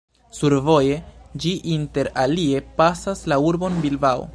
Survoje ĝi inter alie pasas la urbon Bilbao.